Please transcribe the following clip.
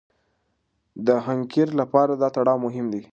د حنکير لپاره دا تړاو مهم دی.